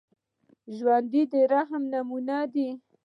ژوندي د رحم نمونه وي